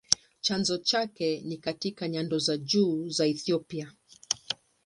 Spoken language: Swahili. Chanzo chake ni katika nyanda za juu za Ethiopia.